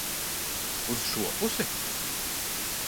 Uz šo pusi?